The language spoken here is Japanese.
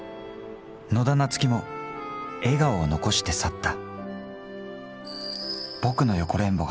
野田菜月も笑顔を残して去った。